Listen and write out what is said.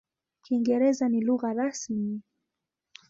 Kiingereza ni lugha rasmi.